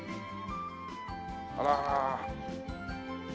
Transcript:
あら。